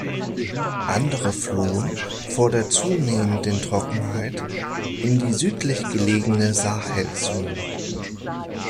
Andere flohen vor der zunehmenden Trockenheit in die südlich gelegene Sahelzone.